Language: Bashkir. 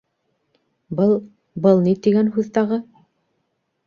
— Был... был ни тигән һүҙ тағы?